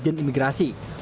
kepada tipikor kepada tipikor